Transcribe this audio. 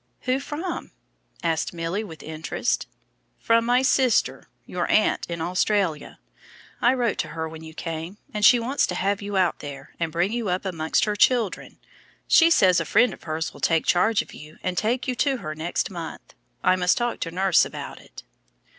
"Who from?" asked Milly, with interest. "From my sister, your aunt, in Australia. I wrote to her when you came, and she wants to have you out there, and bring you up among her own children. She says a friend of hers will take charge of you and take you to her next month. I must talk to nurse about it."